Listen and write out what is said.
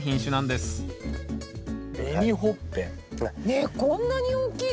ねっこんなに大きいですよ。